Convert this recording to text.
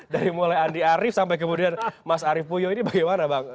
dari mulai andi arief sampai kemudian mas arief puyo ini bagaimana bang